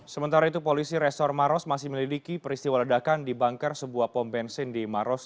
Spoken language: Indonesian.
sementara itu polisi resor maros masih melidiki peristiwa ledakan di banker sebuah pom bensin di maros